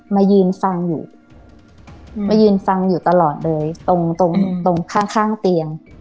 มายืนฟังอยู่มายืนฟังอยู่ตลอดเลยตรงตรงข้างข้างเตียง